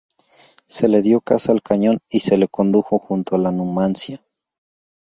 Se le dio caza al cañón y se le condujo junto a la "Numancia".